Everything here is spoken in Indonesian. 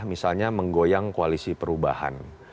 misalnya menggoyang koalisi perubahan